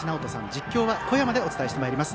実況は小山でお伝えしてまいります。